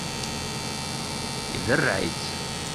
Derreɛ-itt!